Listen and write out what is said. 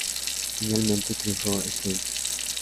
Finalmente, triunfó este último.